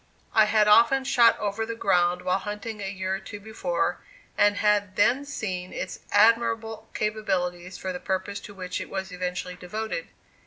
I had often shot over the ground while hunting a year or two before, and had then seen its admirable capabilities for the purpose to which it was eventually devoted.